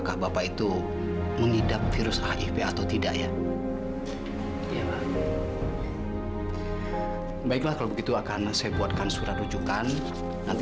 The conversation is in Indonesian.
sampai jumpa di video selanjutnya